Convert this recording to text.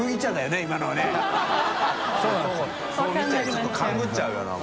ちょっと勘ぐっちゃうよな